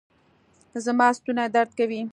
زما ستونی درد کوي